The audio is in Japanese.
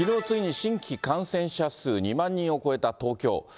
ついに、新規感染者数２万人を超えた東京。